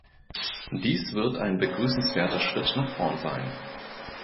Dies wird ein begrüßenswerter Schritt nach vorn sein.